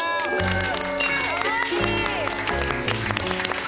かわいい！